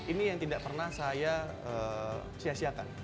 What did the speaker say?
ini yang tidak pernah saya sia siakan